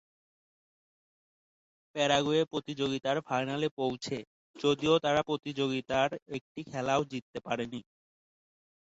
Paraguay প্রতিযোগিতার ফাইনালে পৌছে, যদিও তারা প্রতিযোগিতার একটি খেলায়ও জিততে পারেনি।